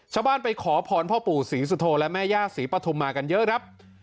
ไปขอพรพ่อปู่ศรีสุโธและแม่ย่าศรีปฐุมมากันเยอะครับ